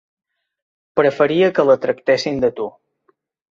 Preferia que la tractessin de tu.